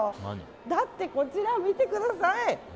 だってこちらを見てください。